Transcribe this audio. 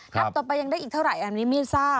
นำตัวไปยังได้อีกเท่าไหร่อันนี้ไม่ทราบ